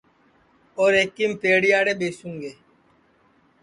اور ایکیم پیڑیاڑے ٻیسوں گے